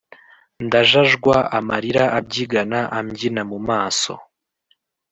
Ndajajwa amarira abyigana ambyina mu maso